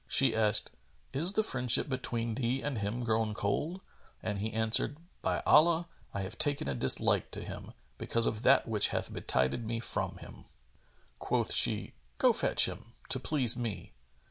She asked, "Is the friendship between thee and him grown cold?" and he answered, "By Allah, I have taken a dislike to him, because of that which hath betided me from him."[FN#428] Quoth she, "Go fetch him, to please me."